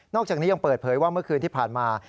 อกจากนี้ยังเปิดเผยว่าเมื่อคืนที่ผ่านมา